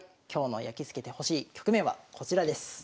今日のやきつけてほしい局面はこちらです。